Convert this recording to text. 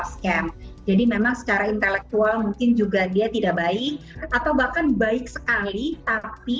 scam jadi memang secara intelektual mungkin juga dia tidak baik atau bahkan baik sekali tapi